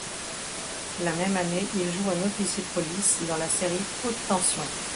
La même année, il joue un officier de police dans la série Haute tension.